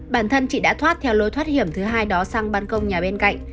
bản thân chị đã thoát theo lối thoát hiểm thứ hai đó sang bàn công nhà bên cạnh